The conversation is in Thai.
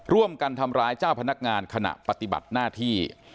ร่วมกันทำร้ายเจ้าพนักงานขณะปฏิบัติหน้าที่